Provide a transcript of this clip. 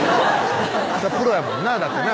プロやもんなだってな